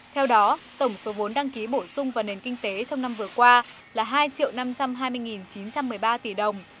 theo đó tổng số vốn đăng ký bổ sung vào nền kinh tế trong năm vừa qua là hai năm trăm hai mươi chín trăm một mươi ba tỷ đồng